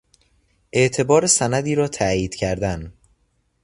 اعتبار سندی را تایید کردن